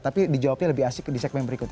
tapi dijawabnya lebih asik di segmen berikutnya